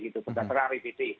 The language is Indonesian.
bukan terang apbd